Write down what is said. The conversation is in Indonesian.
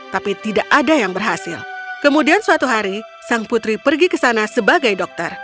tapi tidak ada yang berhasil kemudian suatu hari sang putri pergi ke sana sebagai dokter